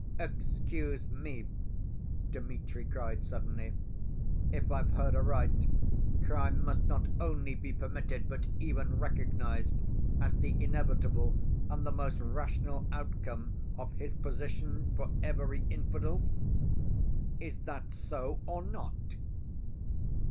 "Excuse me," Dmitri cried suddenly; "if I've heard aright, crime must not only be permitted but even recognized as the inevitable and the most rational outcome of his position for every infidel! Is that so or not?"